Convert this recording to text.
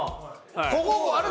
ここあれ？